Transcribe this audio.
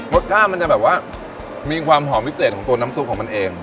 รสชาติมันจะแบบว่ามีความหอมพิเศษของตัวน้ำซุปของมันเอง